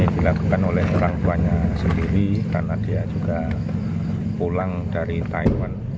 dilakukan oleh orang tuanya sendiri karena dia juga pulang dari taiwan